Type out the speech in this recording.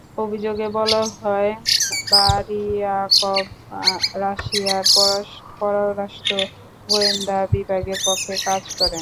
অভিযোগে বলা হয়, বারিয়াকভ রাশিয়ার পররাষ্ট্র গোয়েন্দা বিভাগের পক্ষে কাজ করেন।